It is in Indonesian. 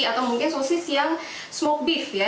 atau mungkin sosis yang smoke beef ya